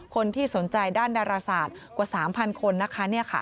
คนที่สนใจด้านดาราศาสตร์กว่า๓๐๐คนนะคะ